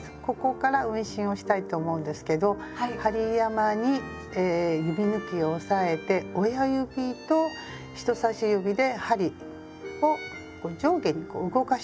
ここから運針をしたいと思うんですけど針山に指ぬきを押さえて親指と人さし指で針を上下に動かしていきます。